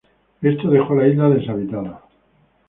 Esto dejó la isla deshabitada.